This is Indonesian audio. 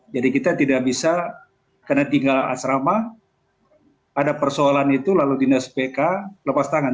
jadi kita tidak bisa karena tinggal asrama ada persoalan itu lalu dinas pk lepas tangan